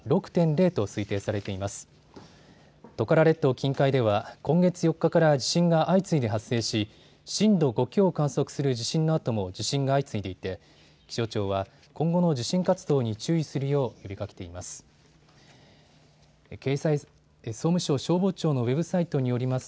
近海では今月４日から地震が相次いで発生し、震度５強を観測する地震のあとも地震が相次いでいて気象庁は今後の地震活動に注意するよう呼びかけています。